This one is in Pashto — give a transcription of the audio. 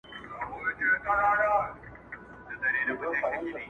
o زه هم اسېوان، ته هم اسېوان، ته ماته وائې غزل ووايه٫